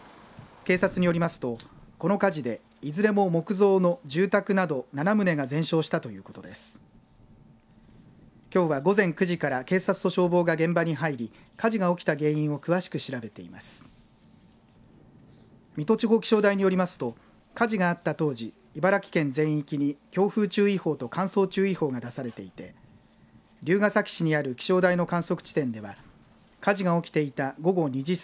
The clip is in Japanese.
警察によりますとこの火事でいずれも木造住宅など７棟が全焼したということです。